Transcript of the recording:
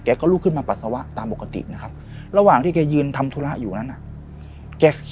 ก็ลุกขึ้นมาปัสสาวะตามปกตินะครับระหว่างที่แกยืนทำธุระอยู่นั้นน่ะแก